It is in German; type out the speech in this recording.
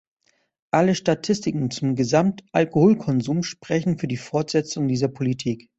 Alle Statistiken zum Gesamtalkoholkonsum sprechen für die Fortsetzung dieser Politik.